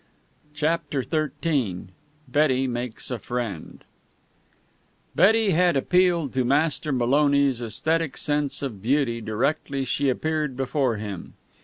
CHAPTER XIII BETTY MAKES A FRIEND Betty had appealed to Master Maloney's esthetic sense of beauty directly she appeared before him.